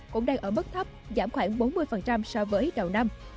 cũng đang ở mức thấp giảm khoảng bốn mươi so với đầu năm